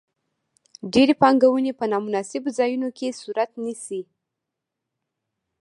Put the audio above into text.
ډېرې پانګونې په نا مناسبو ځایونو کې صورت نیسي.